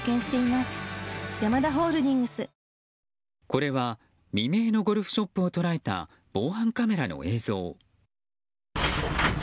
これは未明のゴルフショップを捉えた防犯カメラの映像。